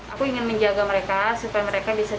aku ingin menjaga mereka supaya mereka bisa